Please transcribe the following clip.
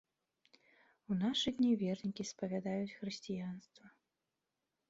У нашы дні вернікі спавядаюць хрысціянства.